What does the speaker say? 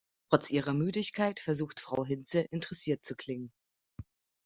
Trotz ihrer Müdigkeit versucht Frau Hinze, interessiert zu klingen.